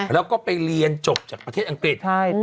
แล้วก็ไปเรียนจบจากประเทศอังกฤษ